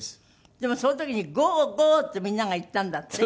でもその時に「ゴー！ゴー！」ってみんなが言ったんだって？